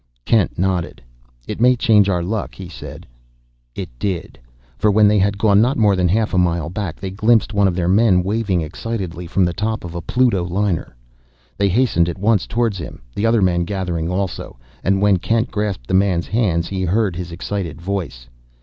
Kent nodded. "It may change our luck," he said. It did; for when they had gone not more than a half mile back, they glimpsed one of their men waving excitedly from the top of a Pluto liner. They hastened at once toward him, the other men gathering also; and when Kent grasped the man's hand he heard his excited voice.